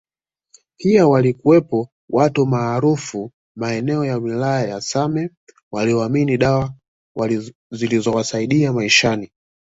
Pia walikuwepo watu maarufu maeneo ya wilaya ya same walioamini dawa zilizowasaidia maishani